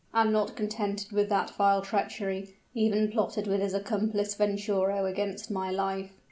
and, not contented with that vile treachery, even plotted with his accomplice Venturo against my life."